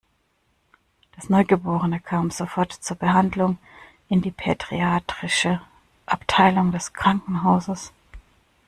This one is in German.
Das Neugeborene kam sofort zur Behandlung in die pädiatrische Abteilung des Krankenhauses.